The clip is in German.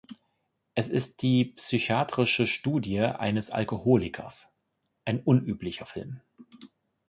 Es ist die psychiatrische Studie eines Alkoholikers, ein unüblicher Film.